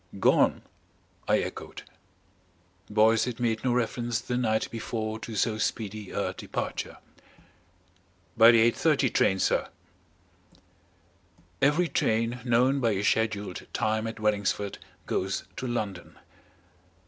"Gone?" I echoed. Boyce had made no reference the night before to so speedy a departure. "By the 8.30 train, sir." Every train known by a scheduled time at Wellingsford goes to London.